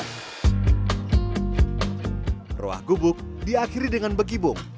roh kubuk diakhiri dengan begibung